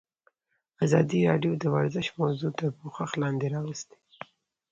ازادي راډیو د ورزش موضوع تر پوښښ لاندې راوستې.